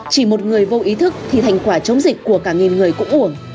chỉ một người vô ý thức thì thành quả chống dịch của cả nghìn người cũng ủng